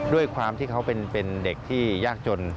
ด้วยความที่เขาเป็นเด็กที่ยากจน